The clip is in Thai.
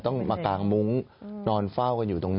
ต้องมากางมุ้งนอนเฝ้ากันอยู่ตรงนั้น